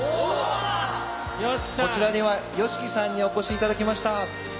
ＹＯＳＨＩＫＩさんにお越しいただきました。